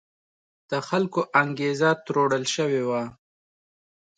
د خلکو انګېزه تروړل شوې وه.